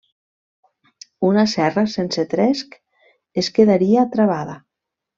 Una serra sense tresc es quedaria travada.